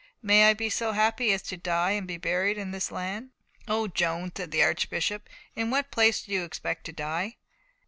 May I be so happy as to die and be buried in this land!" "Oh, Joan," said the Archbishop, "in what place do you expect to die?"